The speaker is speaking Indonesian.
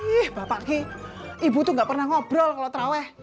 ih bapak ki ibu tuh gak pernah ngobrol kalau terawih